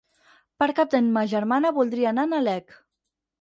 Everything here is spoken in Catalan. Per Cap d'Any ma germana voldria anar a Nalec.